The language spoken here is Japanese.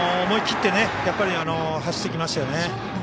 思い切って走っていきましたよね。